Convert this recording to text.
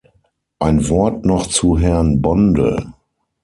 Ein Wort noch zu Herrn Bonde.